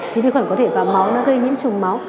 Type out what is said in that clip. thì vi khuẩn có thể vào máu nó gây nhiễm trùng máu